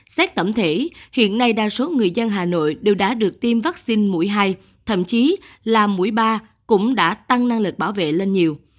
xét tổng thể hiện nay đa số người dân hà nội đều đã được tiêm vaccine mũi hai thậm chí là mũi ba cũng đã tăng năng lực bảo vệ lên nhiều